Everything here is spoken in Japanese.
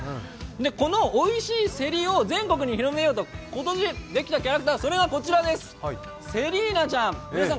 このおいしいせりを全国に広めようと今年できたキャラクター、それがこちらです、セリーナちゃん